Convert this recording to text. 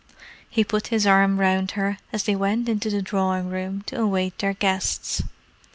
He put his arm round her as they went into the drawing room to await their guests.